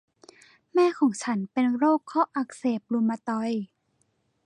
แม่ของฉันเป็นโรคข้ออักเสบรุมาตอยด์